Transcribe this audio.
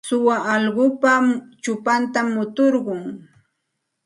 Suwa allqupa chupantam muturqun.